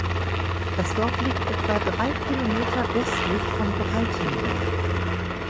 Das Dorf liegt etwa drei Kilometer westlich von Breitenberg.